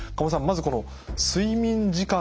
まずこの「睡眠時間の確保」